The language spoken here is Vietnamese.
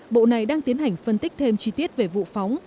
bộ này đang tiến hành phân tích thêm chi tiết về vụ phóng